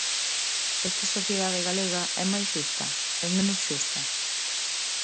¿Esta sociedade galega é máis xusta, é menos xusta?